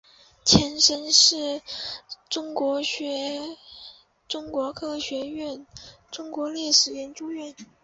前身是中国科学院中国历史研究所。